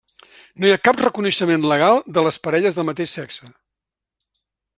No hi ha cap reconeixement legal de les parelles del mateix sexe.